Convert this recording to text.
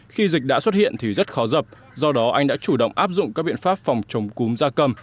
khi dịch đã xuất hiện thì rất khó dập do đó anh đã chủ động áp dụng các biện pháp phòng chống cúm da cầm